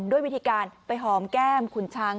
ด้วยวิธีการไปหอมแก้มขุนช้าง